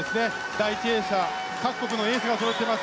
第１泳者、各国のエースがそろっています。